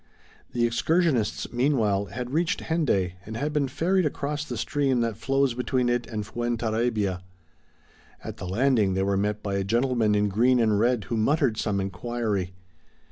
The excursionists, meanwhile, had reached Hendaye and had been ferried across the stream that flows between it and Fuenterrabia. At the landing they were met by a gentleman in green and red who muttered some inquiry.